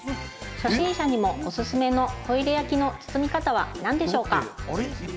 初心者にもおすすめのホイル焼きの包み方は何でしょうか？